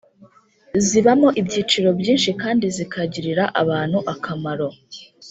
zibamo ibyiciro byinshi kandi zikagirira abantu akamaro.